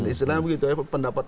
istilahnya begitu ya pendapat